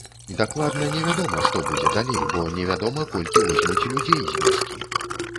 Дакладна невядома, што будзе далей, бо невядома, колькі возьмуць людзей з вёскі.